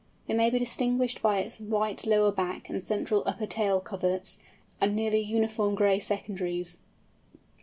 It may be distinguished by its white lower back and central upper tail coverts, and nearly uniform gray secondaries.